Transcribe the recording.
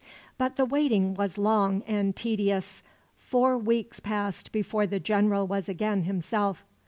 But the waiting was long and tedious. Four weeks passed before the general was again himself.